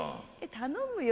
頼むよ？